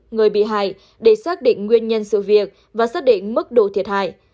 người bị hại để xác định nguyên nhân sự việc và xác định mức độ thiệt hại